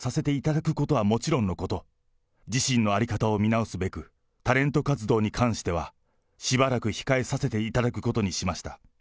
今後は誠意をもって、被害弁償させていただくことはもちろんのこと、自身の在り方を見直すべく、タレント活動に関してはしばらく控えさせていただくことにしました。